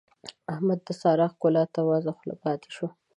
احمد د سارا ښکلا ته وازه خوله پاته شو.